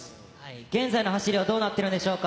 現在の走りはどうなっているのでしょうか？